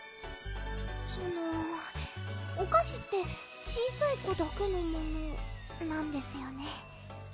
そのお菓子って小さい子だけのものなんですよね？